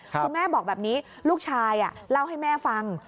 คุณแม่บอกแบบนี้ลูกชายเล่าให้แม่ฟัง